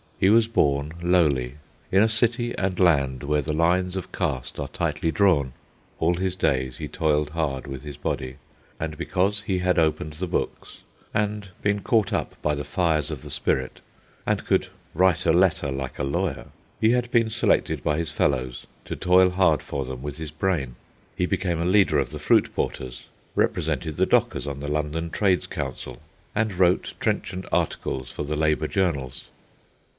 He was born lowly, in a city and land where the lines of caste are tightly drawn. All his days he toiled hard with his body; and because he had opened the books, and been caught up by the fires of the spirit, and could "write a letter like a lawyer," he had been selected by his fellows to toil hard for them with his brain. He became a leader of the fruit porters, represented the dockers on the London Trades Council, and wrote trenchant articles for the labour journals.